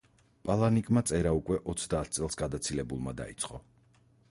პალანიკმა წერა უკვე ოცდაათ წელს გადაცილებულმა დაიწყო.